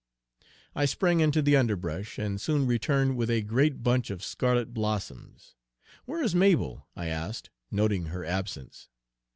I sprang into the underbrush, and soon returned with a great bunch of scarlet blossoms. "Where is Mabel?" I asked, noting her absence.